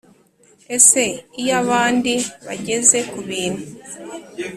Ese iyo abandi bageze ku bintu